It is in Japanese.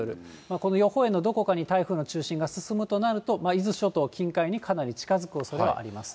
この予報円のどこかに台風の中心が進むとなると、伊豆諸島近海にかなり近づくおそれがあります。